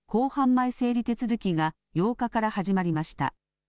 前整理手続きが８日から始まりました。